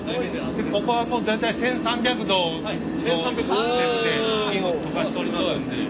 ここはもう大体１，３００℃の熱で金を溶かしておりますんで。